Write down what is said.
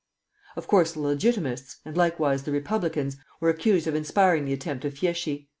Of course the Legitimists, and likewise the Republicans, were accused of inspiring the attempt of Fieschi.